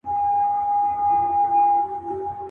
مُلا وویل نیم عمر دي تباه سو.